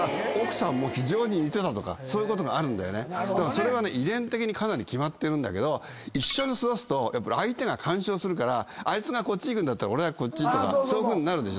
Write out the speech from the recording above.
それは遺伝的にかなり決まってるんだけど一緒に育つと相手が干渉するからあいつこっち行くんだったら俺はこっちとかなるでしょ。